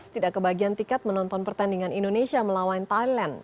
tidak kebagian tiket menonton pertandingan indonesia melawan thailand